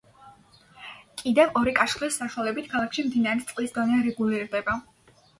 კიდევ ორი კაშხლის საშუალებით ქალაქში მდინარის წყლის დონე რეგულირდება.